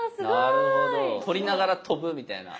なるほど取りながら飛ぶみたいな。